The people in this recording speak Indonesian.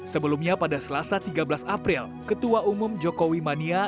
sebelumnya pada selasa tiga belas april ketua umum jokowi mania